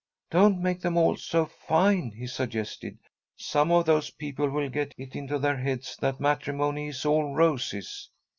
"Don't make them all so fine," he suggested. "Some of those people will get it into their heads that matrimony is all roses."